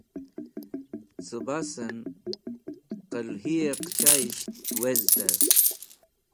Cẽ basẽn qẽlhiyẽ qẽchayisht wezdẽ.